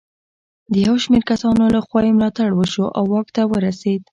د یو شمېر کسانو له خوا یې ملاتړ وشو او واک ته ورسېد.